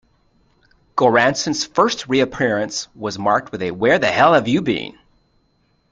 Goranson's first re-appearance was marked with a Where the hell have you been?